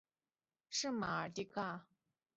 圣马尔蒂阿。